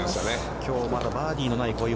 きょう、まだバーディーのない小祝。